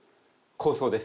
構想です。